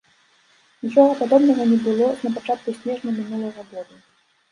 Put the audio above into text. Нічога падобнага не было напачатку снежня мінулага году.